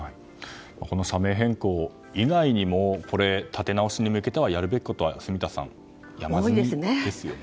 この社名変更以外にも立て直しに向けてやるべきことは住田さん、山積みですよね。